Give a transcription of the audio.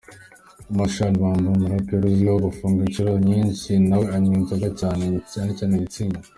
Marshal Mampa, umuraperi unazwiho gukungwa inshuro nyinshi, nawe anywa inzoga cyane cyane Mutzig.